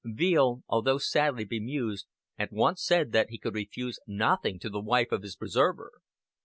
Veale, although sadly bemused, at once said that he could refuse nothing to the wife of his preserver.